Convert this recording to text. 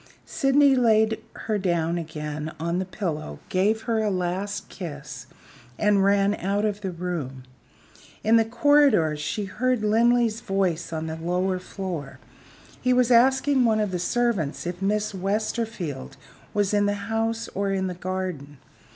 Sydney laid her down again on the pillow, gave her a last kiss, and ran out of the room. In the corridor she heard Linley's voice on the lower floor. He was asking one of the servants if Miss Westerfield was in the house or in the garden.